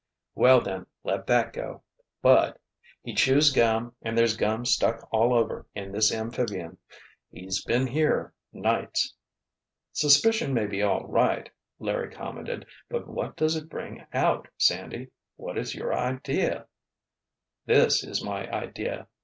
"Well, then, let that go. But—he chews gum and there's gum stuck all over in this amphibian—he's been here, nights——" "Suspicion may be all right," Larry commented, "but what does it bring out, Sandy? What is your idea——" "This is my idea!